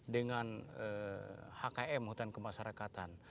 dengan hkm hutan kemasyarakatan